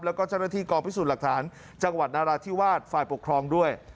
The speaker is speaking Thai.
แล้วก็เจ้าหน้าที่กองพิสูจน์หลักฐานจังหวัดนาราธิวาสฝ่ายปกครองด้วย